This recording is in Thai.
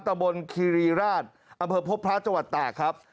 ตะบนคีรีราชอำเภอพบพระจังหวัดตากครับ